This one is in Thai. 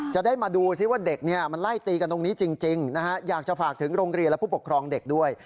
จะได้มาดูซิว่าเด็กมันไล่ตีกันตรงนี้จริงนะฮะอยากจะฝากถึงโรงเรียนและผู้ปกครองเด็กด้วย